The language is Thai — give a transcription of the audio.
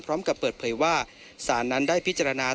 พร้อมกับเปิดเผยว่าสารนั้นได้พิจารณา